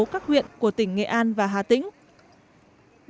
các huyện của tỉnh nghệ an và hà tĩnh